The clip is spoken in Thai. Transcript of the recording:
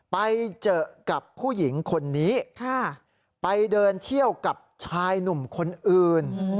ไปเจอกับผู้หญิงคนนี้ไปเดินเที่ยวกับชายหนุ่มคนอื่น